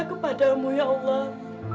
kepadamu ya allah